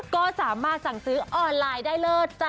ก็สามารถสั่งซื้อออนไลน์ได้เลิศจ้ะ